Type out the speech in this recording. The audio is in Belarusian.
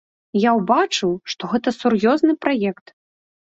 Я ўбачыў, што гэта сур'ёзны праект.